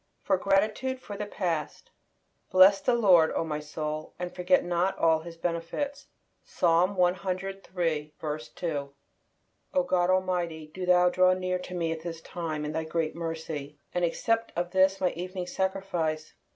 FOR GRATITUDE FOR THE PAST. "Bless the Lord, O my soul, and forget not all His benefits." Psalm ciii. 2. O God Almighty, do Thou draw near to me at this time in Thy great mercy, and accept of this my Evening Sacrifice!